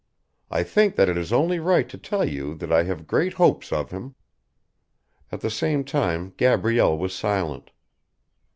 I think it is only right to tell you that I have great hopes of him._" At the same time Gabrielle was silent.